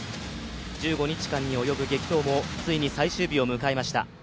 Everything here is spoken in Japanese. １５日間に及ぶ激闘もついに最終日を迎えました。